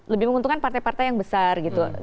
lebih menguntungkan partai partai yang besar gitu